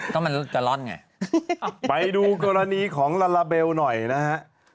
เราจะไปดูกรณีของลาลาเบลหน่อยนะครับ